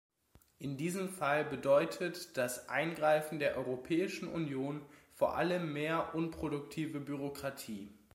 In diesem Fall bedeutet das Eingreifen der Europäischen Union vor allem mehr unproduktive Bürokratie.